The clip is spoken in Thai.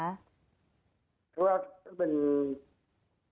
เพราะว่าเป็นอุปสรรพ์ประชาตินามของเขาน่าไม่ไง